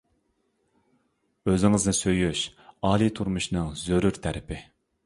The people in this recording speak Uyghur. ئۆزىڭىزنى سۆيۈش ئالىي تۇرمۇشنىڭ زۆرۈر تەرىپى.